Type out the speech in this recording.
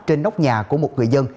trên nóc nhà của một người dân